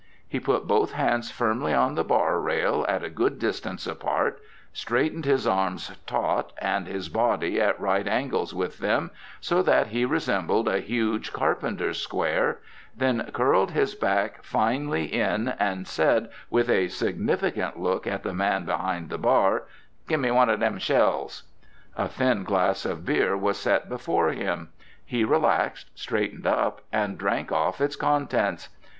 He put both hands firmly on the bar rail at a good distance apart; straightened his arms taut and his body at right angles with them, so that he resembled a huge carpenter's square; then curled his back finely in, and said, with a significant look at the man behind the bar, "Gimme one o' them shells." A thin glass of beer was set before him; he relaxed, straightened up, and drank off its contents.